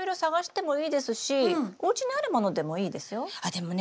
でもね